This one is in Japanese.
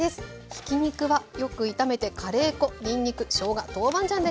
ひき肉はよく炒めてカレー粉にんにく・しょうが豆板醤で香りを立たせます。